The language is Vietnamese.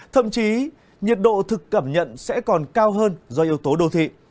thậm chí nhiệt độ thực cảm nhận sẽ còn cao hơn do yếu tố đô thị